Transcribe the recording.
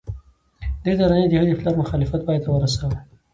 دې ترانې د هغه د پلار مخالفت پای ته ورساوه